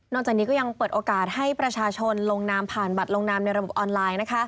จากนี้ก็ยังเปิดโอกาสให้ประชาชนลงนามผ่านบัตรลงนามในระบบออนไลน์